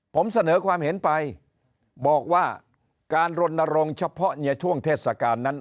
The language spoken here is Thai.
ผมเสนอความเห็นไปบอกว่าการรณรงค์เฉพาะในช่วงเทศกาลนั้น